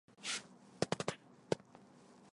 大陆最强的狩魔战士团。